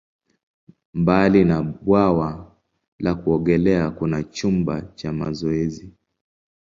Mbali na bwawa la kuogelea, kuna chumba cha mazoezi.